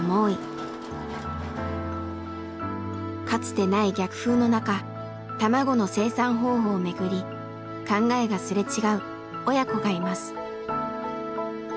かつてない逆風の中卵の生産方法をめぐり考えがすれ違う親子がいます。